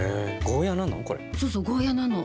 ゴーヤーなの？